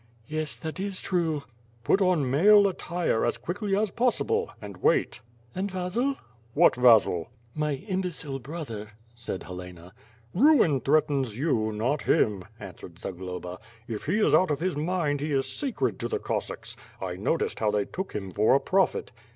"Yes, that is true." "Put on male attire as quickly as possible, and wait." "And Vasil?" "What Vasil?" "My imbecile brother," said Helena. "Ruin threatens you, not liim," answered Za^'loba. "If he is out of his mind he is sacred to the Cossacks. 1 noticed how they took him for a prophet."